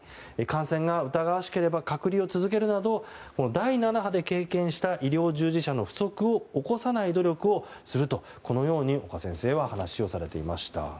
感染が疑わしければ隔離を続けるなど第７波で経験した医療従事者の不足を起こさない努力をするとこのように岡先生は話をされていました。